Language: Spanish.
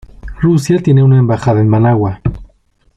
Rusia tiene una embajada en Managua.